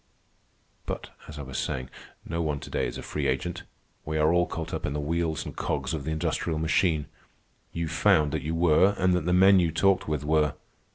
But as I was saying, no one to day is a free agent. We are all caught up in the wheels and cogs of the industrial machine. You found that you were, and that the men you talked with were.